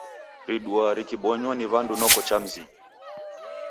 Riduaa rikibonywa ni w'andu noko cha mizinyi.